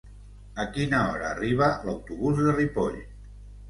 A quina hora arriba l'autobús de Ripoll?